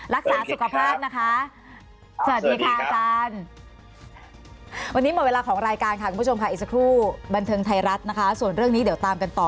รักษาสุขภาพนะคะสวัสดีค่ะอาจารย์วันนี้หมดเวลาของรายการค่ะคุณผู้ชมค่ะอีกสักครู่บันเทิงไทยรัฐนะคะส่วนเรื่องนี้เดี๋ยวตามกันต่อ